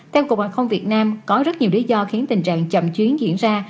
theo cục hàng không việt nam có rất nhiều lý do khiến tình trạng chậm chuyến diễn ra